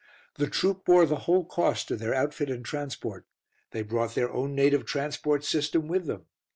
The troop bore the whole cost of their outfit and transport. They brought their own native transport system with them.